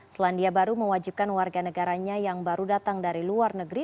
selandia baru mewajibkan warga negaranya yang baru datang dari luar negeri